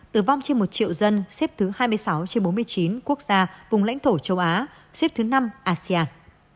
tử vong trên một triệu dân xếp thứ hai mươi sáu trên bốn mươi chín quốc gia vùng lãnh thổ châu á xếp thứ năm asean